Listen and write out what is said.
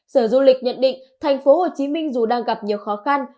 sở du lịch nhận định thành phố hồ chí minh dù đang gặp nhiều khó khăn